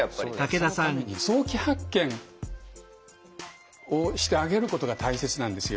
そのために早期発見をしてあげることが大切なんですよ。